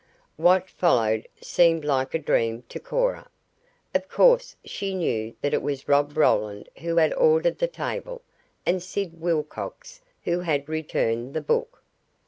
What followed seemed like a dream to Cora. Of course she knew that it was Rob Roland who had ordered the table and Sid Wilcox who had returned the book.